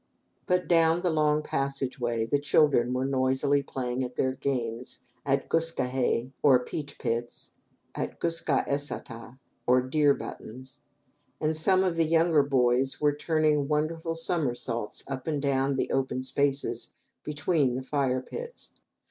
But down the long passage way the children were noisily playing at their games at gus ka eh, or "peach pits," at gus ga e sa ta, or "deer buttons," and some of the younger boys were turning wonderful somersaults up and down the open spaces between the fire pits.